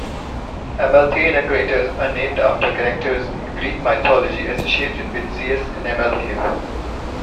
Amalthean craters are named after characters in Greek mythology associated with Zeus and Amalthea.